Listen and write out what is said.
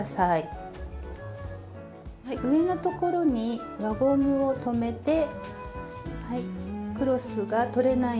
上のところに輪ゴムを留めてクロスが取れないように仮留めします。